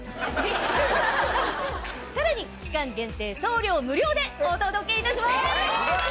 さらに期間限定送料無料でお届けいたします！